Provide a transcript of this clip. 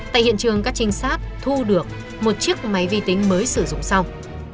tại hiện trường các trinh sát thu được một chiếc máy vi tính mới sử dụng xong